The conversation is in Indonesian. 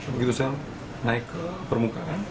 begitu saya naik ke permukaan